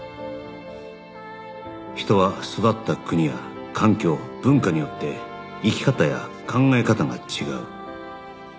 人は育った国や環境文化によって生き方や考え方が違う